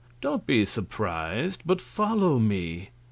Don't be surpris'd, but follow me.